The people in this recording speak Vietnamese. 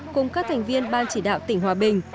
cùng các thành viên ban chỉ đạo tỉnh hòa bình